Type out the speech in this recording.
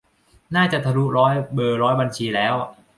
น่าจะทะลุร้อยเบอร์ร้อยบัญชีแล้ว